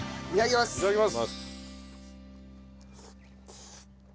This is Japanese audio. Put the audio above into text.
いただきます。